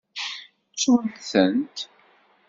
Ttun-tent.